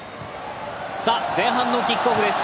前半のキックオフです。